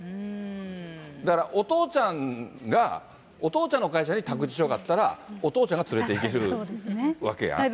だからお父ちゃんが、お父ちゃんの会社に託児所があったら、お父ちゃんが連れていけるわけやん。